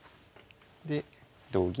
で同銀。